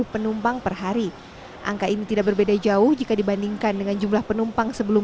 empat ribu lima puluh penumpang perhari angka ini tidak berbeda jauh jika dibandingkan dengan jumlah penumpang sebelum